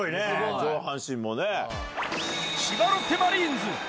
上半身もね。